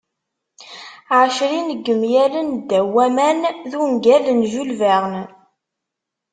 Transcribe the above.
"Ɛecrin n yemyalen ddaw waman" d ungal n Jules Verne.